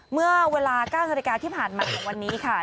เมื่อเวลา๙นาฬิกาที่ผ่านมาของวันนี้ค่ะ